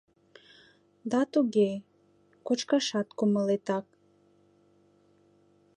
Да туге — кочкашат кумылетак